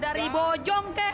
dari bojong kek